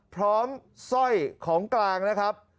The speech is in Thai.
พร้อมสร้อยของกลางนะครับ